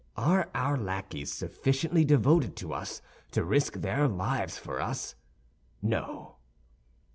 Are our lackeys sufficiently devoted to us to risk their lives for us? No."